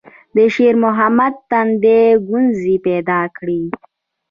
د شېرمحمد تندي ګونځې پيدا کړې.